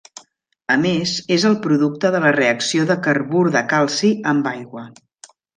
A més és el producte de la reacció de carbur de calci amb aigua.